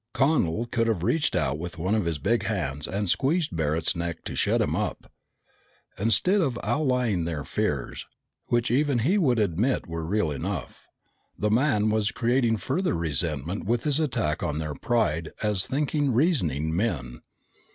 Connel could have reached out with one of his big hands and squeezed Barret's neck to shut him up. Instead of allaying their fears, which even he would admit were real enough, the man was creating further resentment with his attack on their pride as thinking, reasoning men.